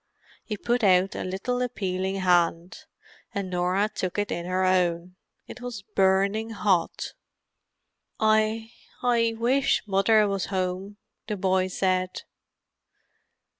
He put out a little appealing hand, and Norah took it in her own. It was burning hot. "I—I wish Mother was home," the boy said.